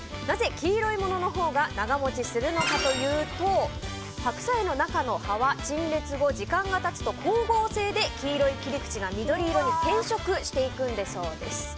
なぜ黄色いもののほうが長持ちするかというと白菜の中の葉は陳列後、時間が経つと光合成で黄色い切り口が緑色に変色していくんだそうです。